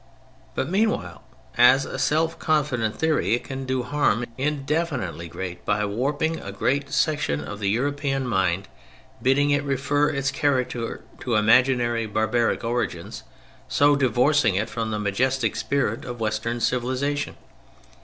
But meanwhile as a self confident theory it can do harm indefinitely great by warping a great section of the European mind; bidding it refer its character to imaginary barbaric origins, so divorcing it from the majestic spirit of Western Civilization.